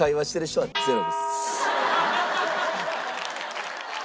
はい。